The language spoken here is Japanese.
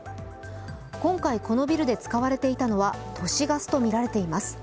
今回、このビルで使われていたのは都市ガスとみられています。